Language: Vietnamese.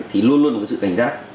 thì luôn luôn có sự cảnh giác